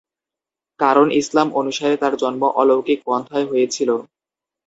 কারণ ইসলাম অনুসারে তার জন্ম অলৌকিক পন্থায় হয়েছিল।